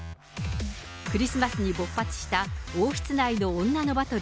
クリスマスに勃発した王室内の女のバトル。